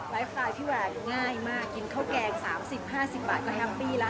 ไลฟ์สไตล์พี่แวร์ง่ายมากกินข้าวแกง๓๐๕๐บาทก็แฮปปี้แล้ว